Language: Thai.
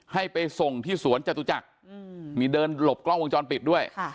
ให้ไปส่งที่สวนจตุจักรมีเดินหลบกล้องวงจรปิดด้วย